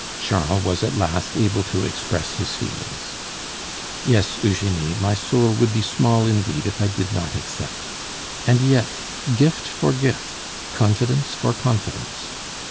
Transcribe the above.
Charles was at last able to express his feelings. "Yes, Eugenie; my soul would be small indeed if I did not accept. And yet, gift for gift, confidence for confidence."